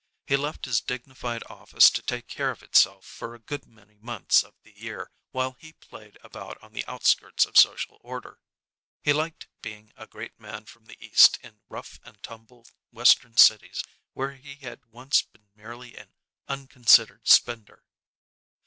He left his dignified office to take care of itself for a good many months of the year while he played about on the outskirts of social order. He liked being a great man from the East in rough and tumble Western cities where he had once been merely an unconsidered spender.